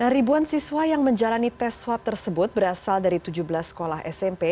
ribuan siswa yang menjalani tes swab tersebut berasal dari tujuh belas sekolah smp